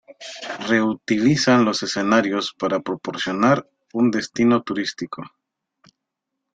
Reutilizan los escenarios para promocionar un destino turístico.